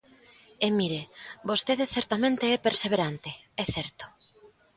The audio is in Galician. E mire, vostede certamente é perseverante, é certo.